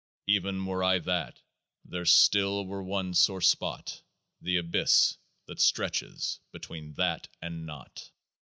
Even were I THAT, there still were one sore spot — The Abyss that stretches between THAT and NOT.